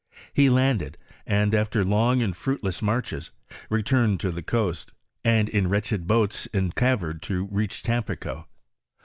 He landed, and, after long and fruitless marches, returned to the coast, and in wretched boats endeavored to reach Tampico.